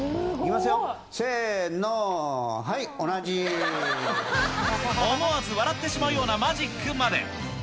せーの、はい、思わず笑ってしまうようなマジックまで。